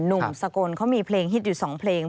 หนุ่มสกลเขามีเพลงฮิตอยู่๒เพลง